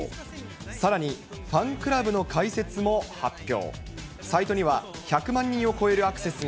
さらにファンクラブの開設も発表。